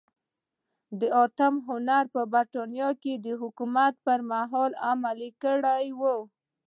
د اتم هنري په برېټانیا کې د حکومت پرمهال عملي کړې وه.